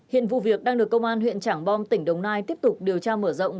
hiện vụ việc đang được công an huyện trảng bom tỉnh đồng nai tiếp tục điều tra mở rộng